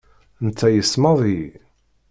Netta yessmad-iyi.